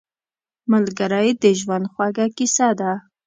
ملګری د ژوند خوږه کیسه ده